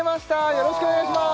よろしくお願いします！